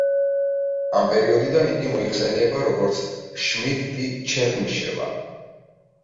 ამ პერიოდიდან იგი მოიხსენიება როგორც შმიდტი-ჩერნიშევა.